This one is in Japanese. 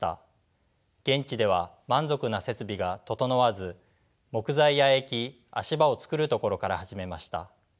現地では満足な設備が整わず木材屋へ行き足場を作るところから始めました。